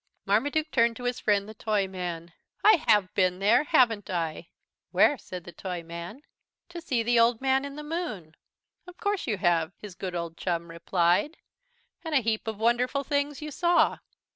Marmaduke turned to his friend, the Toyman. "I have been there, haven't I?" "Where?" said the Toyman. "To see the Old Man in the Moon." "Of course you have," his good old chum replied, "and a heap of wonderful things you saw."